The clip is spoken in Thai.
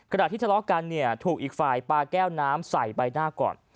ที่ทะเลาะกันเนี่ยถูกอีกฝ่ายปลาแก้วน้ำใส่ใบหน้าก่อน